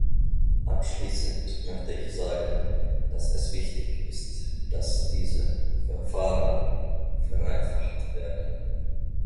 Abschließend möchte ich sagen, dass es wichtig ist, dass diese Verfahren vereinfacht werden.